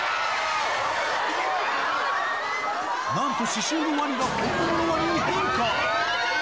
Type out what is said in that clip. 「何と刺しゅうのワニが本物のワニに変化」